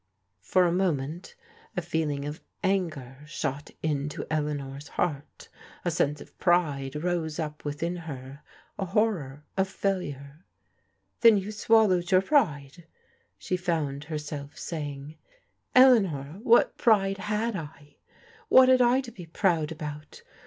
For a moment, a feeling of anger shot into Eleanor's heart A sense of pride rose up within her, a horror of failure. " Then you swallowed your pride ?" she found hersdf saying. " Eleanor, what pride had I ? What had I to be proud about?